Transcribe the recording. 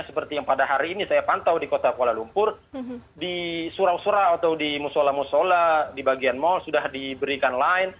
seperti yang pada hari ini saya pantau di kota kuala lumpur di surau sura atau di musola musola di bagian mall sudah diberikan line